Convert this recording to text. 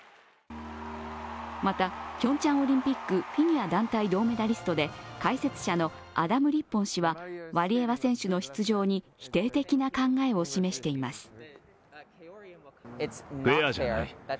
また、ピョンチャンオリンピックフィギュア団体銅メダリストで、解説者のアダム・リッポン氏はワリエワ選手の出場に否定的な考えを示しています。